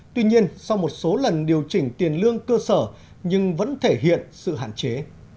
tuy nhiên sau một số lần điều chỉnh tiền lương cơ sở nhưng vẫn thể hiện sự hạn chế